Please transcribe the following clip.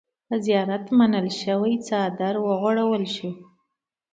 په زيارت منلے شوے څادر اوغوړولے شو۔